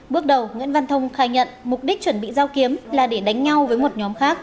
bước đầu nguyễn văn thông khai nhận mục đích chuẩn bị giao kiếm là để đánh nhau với một nhóm khác